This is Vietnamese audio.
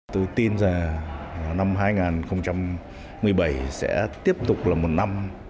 tôi tin rằng năm hai nghìn một mươi bảy sẽ tiếp tục là một năm